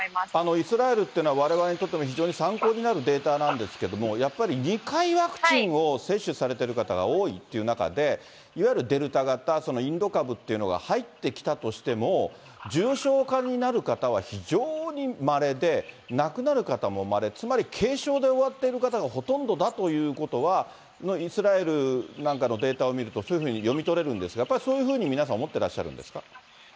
イスラエルっていうのは、われわれにとっても非常に参考になるデータなんですけれども、やっぱり２回ワクチンを接種されてる方が多いという中で、いわゆるデルタ型、そのインド株っていうのが入ってきたとしても、重症化になる方は非常にまれで、亡くなる方もまれ、つまり軽症で終わっている方がほとんどだということは、イスラエルなんかのデータを見ると、そういうふうに読み取れるんですが、やっぱりそういうふうに皆さん思ってらっしゃるんですか。